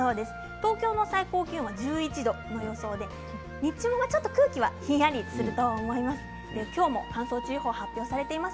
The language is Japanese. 東京の最高気温は１１度の予想で日中はちょっと空気がひんやりすると思います。